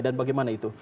dan bagaimana itu